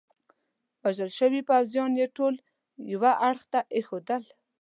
وژل شوي پوځیان يې ټول یوه اړخ ته ایښودل.